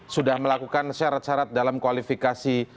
sudah melakukan syarat syarat dalam kualifikasi